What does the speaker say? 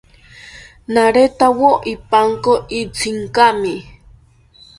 Naretawo ipanko itzinkami